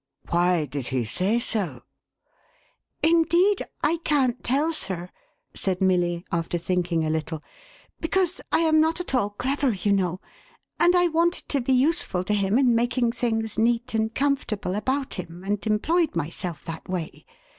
""" Why did he say so ?"" Indeed I can't tell, sir,1' said Milly, after thinking a little, " because I am not at all clever, you know ; and I wanted to be useful to him in making things neat and comfortable about him, and employed myself that way.